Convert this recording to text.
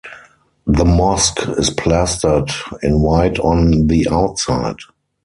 The mosque is plastered in white on the outside.